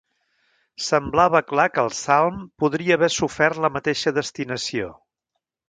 Semblava clar que el salm podria haver sofert la mateixa destinació.